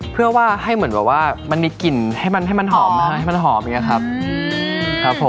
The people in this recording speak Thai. เพื่อว่าให้เหมือนแบบว่ามันมีกลิ่นให้มันให้มันหอมให้มันหอมอย่างนี้ครับครับผม